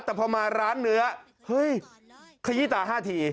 แต่พอมาร้านเนื้อเฮ้ยขยี้ตา๕ที